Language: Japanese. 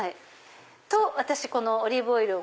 とこのオリーブオイルを。